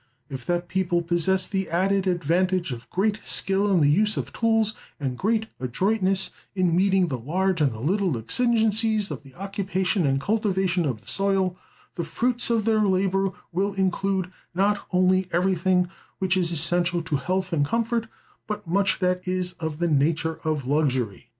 If that people possess the added advantage of great skill in the use of tools, and great adroitness in meeting the large and the little exigencies of the occupation and cultivation of the soil, the fruits of their labor will include not only everything which is essential to health and comfort, but much that is of the nature of luxury."